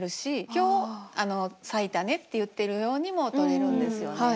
「今日咲いたね」って言ってるようにもとれるんですよね。